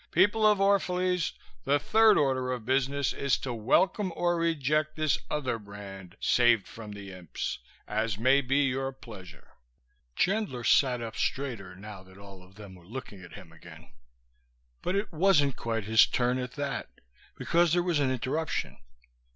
"People of Orphalese, the third order of business is to welcome or reject this other brand saved from the imps, as may be your pleasure." Chandler sat up straighter now that all of them were looking at him again; but it wasn't quite his turn, at that, because there was an interruption.